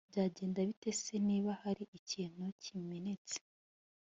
byagenda bite se niba hari ikintu kimenetse